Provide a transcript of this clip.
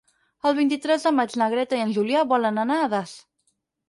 El vint-i-tres de maig na Greta i en Julià volen anar a Das.